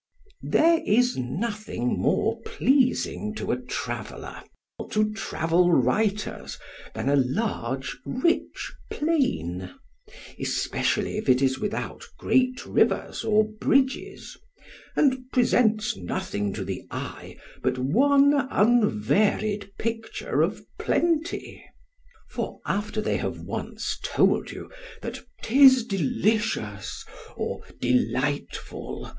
There is nothing more pleasing to a traveller——or more terrible to travel writers, than a large rich plain; especially if it is without great rivers or bridges; and presents nothing to the eye, but one unvaried picture of plenty: for after they have once told you, that 'tis delicious! or delightful!